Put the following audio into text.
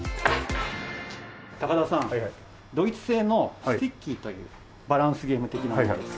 高田さんドイツ製のスティッキーというバランスゲーム的なものです。